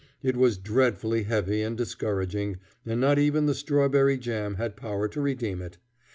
It was dreadfully heavy and discouraging, and not even the strawberry jam had power to redeem it.